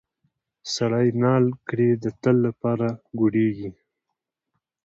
سړی نال کړې د تل لپاره ګوډیږي.